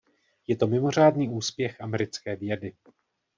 Je to mimořádný úspěch americké vědy.